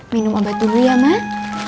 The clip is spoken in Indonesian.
minum obat dulu ya mah